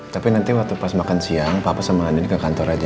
tapi nanti pas makan siang papa sama andin ke kantor aja